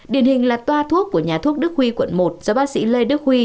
điển hình là toa thuốc của nhà thuốc đức huy quận một do bác sĩ lê đức huy